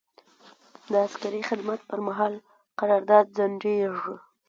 د عسکري خدمت پر مهال قرارداد ځنډیږي.